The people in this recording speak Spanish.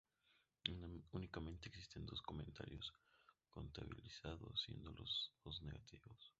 Únicamente existen dos comentarios contabilizados, siendo los dos negativos.